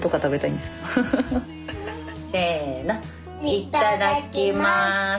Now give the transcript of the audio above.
いただきます。